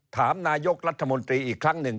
ถามนายกรัฐมนตรีอีกครั้งหนึ่ง